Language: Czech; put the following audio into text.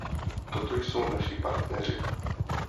Toto jsou naši partneři.